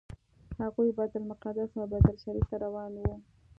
هغوی بیت المقدس او بیت الله شریف ته روان وو.